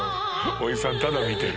おじさんただ見てる。